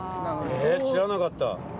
え知らなかった。